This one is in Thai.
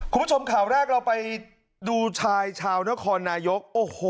คุณผู้ชมข่าวแรกเราไปดูชายชาวนครนายกโอ้โห